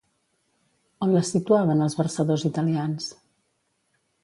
On les situaven els versadors italians?